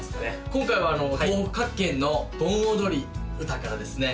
今回は東北各県の盆踊り歌からですね